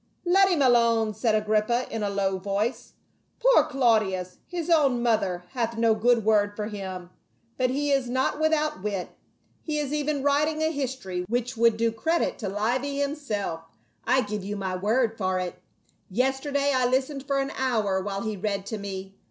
"Let him alone," said Agrippa in a low voice. " Poor Claudius, his own mother hath no good word for him ; but he is not without wit, he is even writing THREE PRINCES AND A SLA VE. 45 a history which would do credit to Livy himself, I give you my word for it. Yesterday I listened for an hour while he read to me.